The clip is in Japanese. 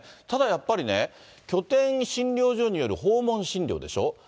ただ、やっぱりね、拠点診療所による訪問診療でしょ。